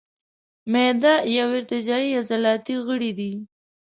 معده یو ارتجاعي عضلاتي غړی دی.